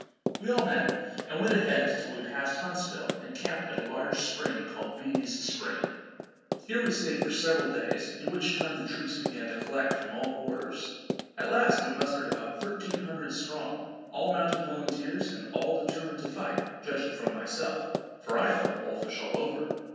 We all met and went ahead, till we passed Huntsville, and camped at a large spring called Beaty's spring. Here we staid for several days, in which time the troops began to collect from all quarters. At last we mustered about thirteen hundred strong, all mounted volunteers, and all determined to fight, judging from myself, for I felt wolfish all over.